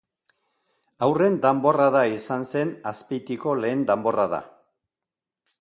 Haurren danborrada izan zen Azpeitiko lehen danborrada.